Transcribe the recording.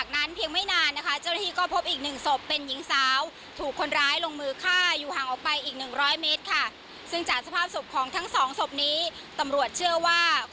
และผักอยู่ใต้สะพานแก้ว